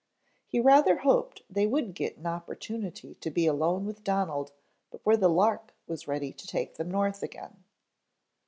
He rather hoped they would get an opportunity to be alone with Donald before the "Lark" was ready to take them north again.